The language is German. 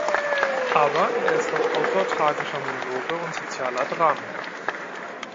Aber er ist auch Autor tragischer Monologe und sozialer Dramen.